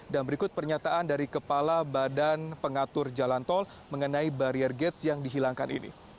dan berikut pernyataan dari kepala badan pengatur jalan tol mengenai barier gates yang dihilangkan ini